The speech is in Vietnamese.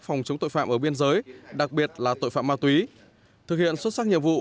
phòng chống tội phạm ở biên giới đặc biệt là tội phạm ma túy thực hiện xuất sắc nhiệm vụ